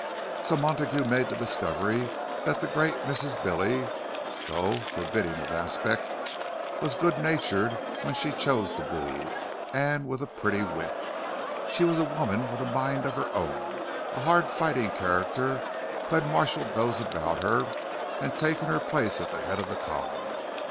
So Montague made the discovery that the great Mrs. Billy, though. forbidding of aspect, was good natured when she chose to be, and with a pretty wit. She was a woman with a mind of her own—a hard fighting character, who had marshalled those about her, and taken her place at the head of the column.